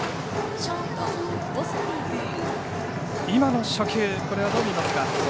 今の初球、これはどう見ますか。